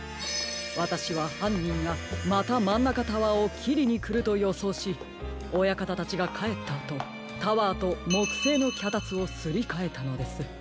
わたしははんにんがまたマンナカタワーをきりにくるとよそうし親方たちがかえったあとタワーともくせいのきゃたつをすりかえたのです。